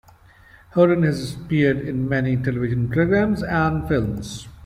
Horan has appeared in many television programs and films.